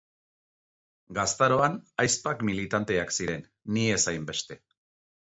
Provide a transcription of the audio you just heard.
Gaztaroan, ahizpak militanteak ziren, ni ez hainbeste.